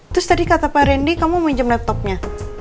terus tadi kata pak randy kamu minjem laptopnya